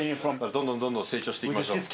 どんどんどんどん成長していきましょう。